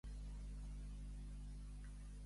Per què es va voler quedar amb ell Políxena?